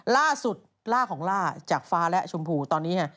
ล่าสุดล่าของล่าจากฟ้าและชมพูตอนนี้ไง